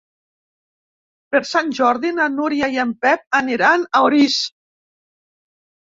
Per Sant Jordi na Núria i en Pep aniran a Orís.